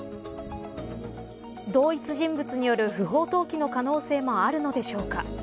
同一人物による不法投棄の可能性もあるのでしょうか。